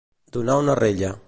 Donar una rella.